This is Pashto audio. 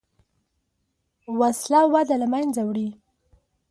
وسله وده له منځه وړي